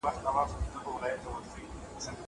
زه اوس سبزېجات تياروم.